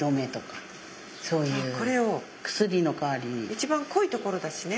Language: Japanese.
一番濃いところだしね。